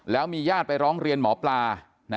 แล้วมีญาติไปร้องเรียนหมอปลา